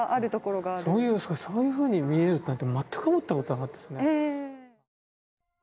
そういうふうに見えるって全く思ったことなかったですね。